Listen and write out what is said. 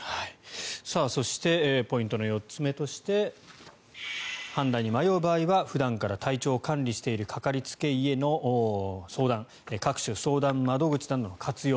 そしてポイントの４つ目として判断に迷う場合は普段から体調を管理しているかかりつけ医への相談各種相談窓口などの活用